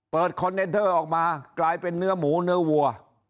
คอนเทนเดอร์ออกมากลายเป็นเนื้อหมูเนื้อวัว